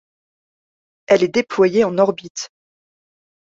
Elle est déployée en orbite.